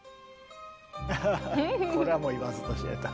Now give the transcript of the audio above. ハハハこれはもう言わずと知れた。